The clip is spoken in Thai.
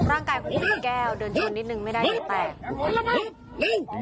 ร่างกายของเขาเป็นแก้วเดินชนนิดหนึ่งไม่ได้อย่างแตก